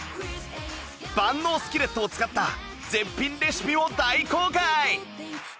万能スキレットを使った絶品レシピを大公開！